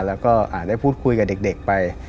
แล้วก็ได้พูดคุยกับเด็กไป